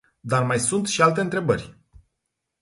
Dar mai sunt și alte întrebări.